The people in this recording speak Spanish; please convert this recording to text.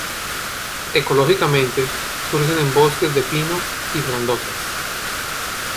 Ecológicamente, surgen en bosques de pinos y frondosas.